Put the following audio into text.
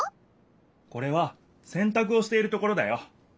これはせんたくをしているところだよ。